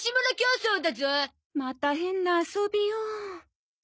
また変な遊びを。